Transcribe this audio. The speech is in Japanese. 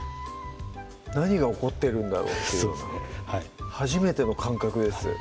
何が起こってるんだろうというような初めての感覚です